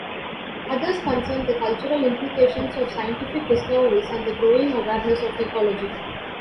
Others concern the cultural implications of scientific discoveries and the growing awareness of ecology.